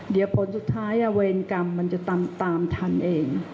เดี๋ยวผลสุดท้ายเวรกรรมมันจะตามทันเอง